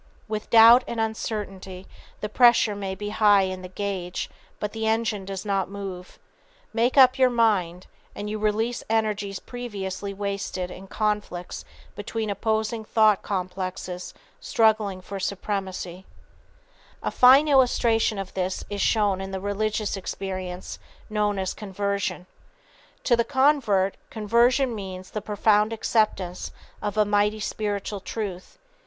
With doubt and uncertainty the pressure may be high in the gauge, but the engine does not move. Make up your mind, and you release energies previously wasted in conflicts between opposing thought complexes struggling for supremacy. [Sidenote: Why "Christian Science" Works] A fine illustration of this is shown in the religious experience known as conversion. To the convert, conversion means the profound acceptance of a mighty spiritual truth.